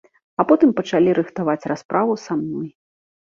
А потым пачалі рыхтаваць расправу са мной.